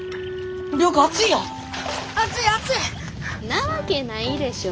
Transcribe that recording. なわけないでしょ。